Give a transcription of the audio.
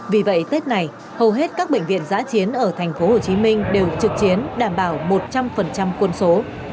vì vậy tết này hầu hết các bệnh viện giã chiến ở tp hcm đều trực chiến đảm bảo một trăm linh quân số